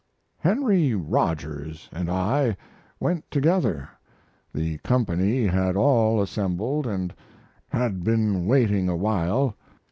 Henry Rogers and I went together. The company had all assembled and had been waiting a while.